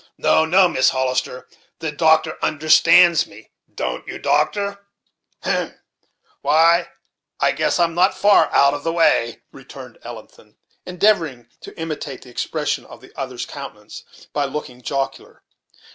No, no, Miss Hollis ter, the doctor understands me; don't you, doctor?" "Hem why, I guess I am not far out of the way," returned Elnathan, endeavoring to imitate the expression of the other's countenance, by looking jocular.